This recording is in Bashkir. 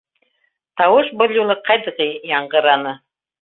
Тауыш был юлы ҡәтғи яңғыраны: